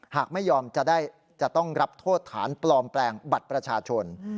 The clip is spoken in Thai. หากไม่ยอมจะต้องรับโทษฐานปลอมแปลงบัตรประชาชน